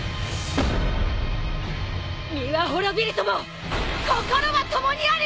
身は滅びるとも心は共にあり！